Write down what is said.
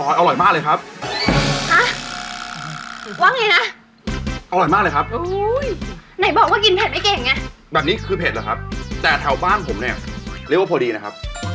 จ้ะกินเยอะนะคะหัวหน้า